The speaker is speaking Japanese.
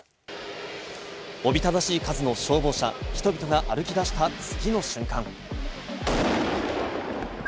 おびただしい数の消防車、人々が歩き出した次の瞬間。